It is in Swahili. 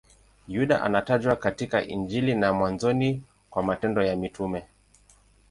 Yuda anatajwa katika Injili na mwanzoni mwa Matendo ya Mitume.